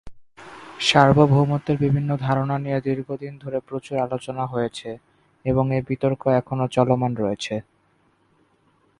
সার্বভৌমত্বের বিভিন্ন ধারণা নিয়ে দীর্ঘদিন ধরে প্রচুর আলোচনা হয়েছে, এবং এই বিতর্ক এখনো চলমান রয়েছে।